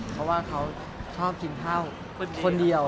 เพราะว่าเขาชอบกินข้าวคนเดียว